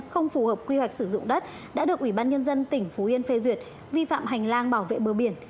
không phù hợp quy hoạch sử dụng đất đã được ủy ban nhân dân tỉnh phú yên phê duyệt vi phạm hành lang bảo vệ bờ biển